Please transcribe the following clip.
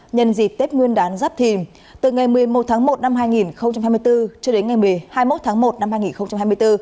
nhân dịp tết nguyên đán giáp thìm từ ngày một mươi một tháng một năm hai nghìn hai mươi bốn cho đến ngày hai mươi một tháng một năm hai nghìn hai mươi bốn